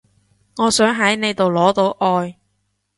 我想喺你度攞到愛